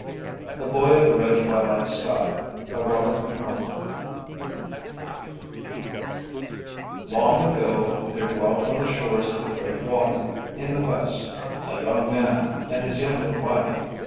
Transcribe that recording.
THE BOY OF THE RED TWILIGHT SKY Long ago there dwelt on the shores of the Great Water in the west a young man and his younger wife.